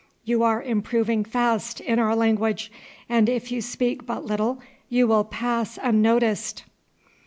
You are improving fast in our language, and if you speak but little you will pass unnoticed.